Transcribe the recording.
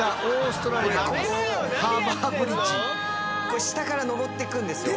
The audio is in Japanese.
これ下から登ってくんですよ